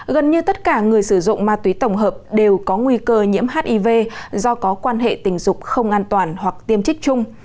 gần như tất cả người sử dụng ma túy tổng hợp đều có nguy cơ nhiễm hiv do có quan hệ tình dục không an toàn hoặc tiêm trích chung